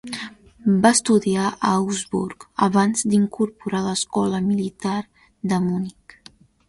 Va estudiar a Augsburg abans d'incorporar a l'escola militar de Munic.